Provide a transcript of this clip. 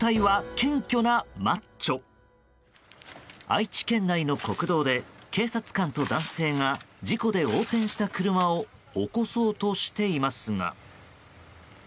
愛知県内の国道で警察官と男性が事故で横転した車を起こそうとしていますが。